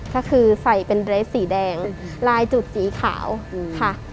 ก็คือใส่เป็นเรสสีแดงลายจุดสีขาวค่ะ